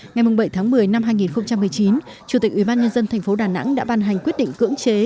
ngày bảy một mươi hai nghìn một mươi chín chủ tịch ủy ban nhân dân tp đà nẵng đã ban hành quyết định cưỡng chế